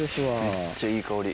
めっちゃいい香り。